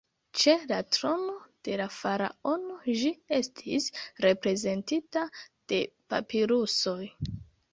Ĉe la trono de la faraono ĝi estis reprezentita de papirusoj.